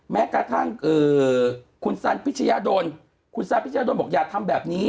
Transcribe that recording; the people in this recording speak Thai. แม้กระทั่งคุณสันพิชยาดลคุณซันพิชยาดลบอกอย่าทำแบบนี้